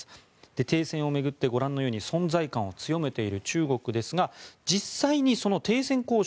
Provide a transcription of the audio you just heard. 停戦を巡ってご覧のように存在感を強めている中国ですが実際に停戦交渉